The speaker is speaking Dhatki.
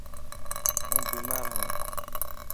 هون بيمار هان.